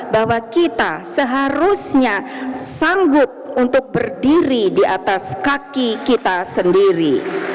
bahwa kita seharusnya sanggup untuk berdiri di atas kaki kita sendiri